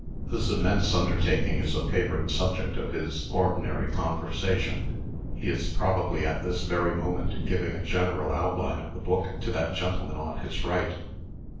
This immense undertaking is a favorite subject of his ordinary conversation. He is probably, at this very moment, giving a general outline of the book to that gentleman on his right.